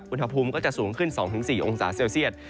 อุณหภูมิก็จะสูงขึ้น๒๔องศาเซลเซียต